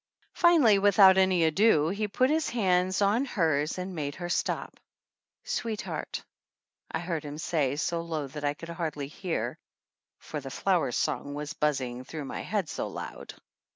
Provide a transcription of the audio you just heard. Finally, with out any ado, he put his hands on hers and made her stop. "Sweetheart," I heard him say, so low that I could hardly hear, for The Flower Song was buzzing through my head so loud.